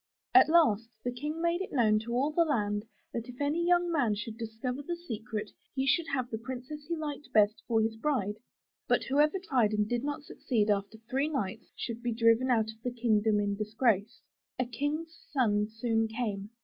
At last the King made it known to all the land that if any young man could discover the secret he should have the princess he liked best for his bride; but whoever tried and did not succeed after three nights, should be driven out of the kingdom in disgrace. A King's son soon came.